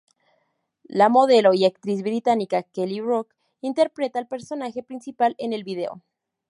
La modelo y actriz británica Kelly Brook interpreta al personaje principal en el vídeo.